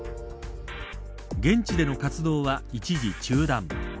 現地での活動は一時中断。